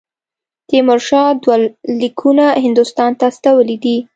تیمورشاه دوه لیکونه هندوستان ته استولي دي.